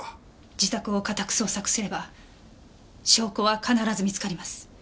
自宅を家宅捜索すれば証拠は必ず見つかります。